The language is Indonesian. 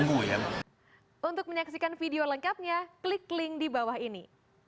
untuk menyaksikan video lengkapnya klik link di bawah ini